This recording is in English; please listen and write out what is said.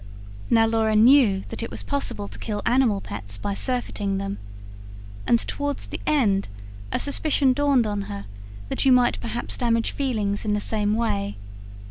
Now Laura knew that it was possible to kill animal pets by surfeiting them; and, towards the end, a suspicion dawned on her that you might perhaps damage feelings in the same way.